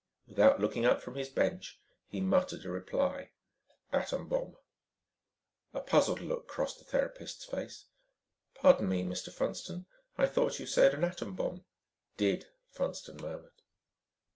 Without looking up from his bench he muttered a reply. "Atom bomb." A puzzled look crossed the therapist's face. "Pardon me, Mr. Funston. I thought you said an 'atom bomb.'" "Did," Funston murmured.